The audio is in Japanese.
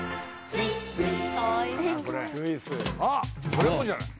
これもじゃない？